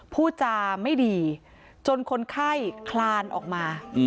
พูดจาไม่ดีจนคนไข้คลานออกมา